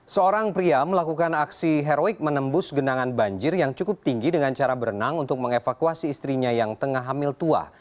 seorang pria melakukan aksi heroik menembus genangan banjir yang cukup tinggi dengan cara berenang untuk mengevakuasi istrinya yang tengah hamil tua